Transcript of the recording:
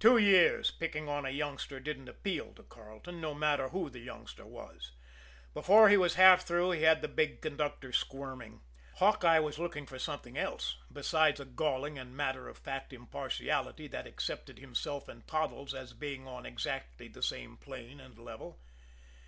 Two years' picking on a youngster didn't appeal to Carleton, no matter who the youngster was. Before he was half through he had the big conductor squirming. Hawkeye was looking for something else besides a galling and matter of fact impartiality that accepted himself and Toddles as being on exactly the same plane and level.